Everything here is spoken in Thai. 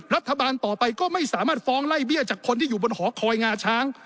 รัฐบาลต่อไปก็ไม่สามารถฟ้องไล่เบี้ยจากคนที่อยู่บนหอคอยงาช้าง